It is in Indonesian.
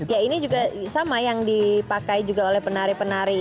ya ini juga sama yang dipakai juga oleh penari penari